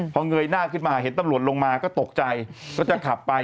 พอเงยหน้าขึ้นมาเห็นตำรวจลงมาก็ตกใจก็จะขับไป